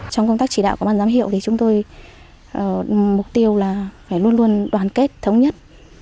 trong công tác chỉ đạo của ban giám hiệu thì chúng tôi mục tiêu là phải luôn luôn đoàn kết thống nhất